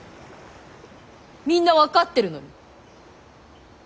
みんな分かってるのに。